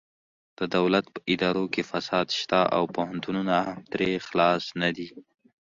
د دولت په ادارو کې فساد شته او پوهنتونونه هم ترې خلاص نه دي